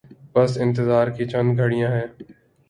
بس انتظار کی چند گھڑیاں ہیں۔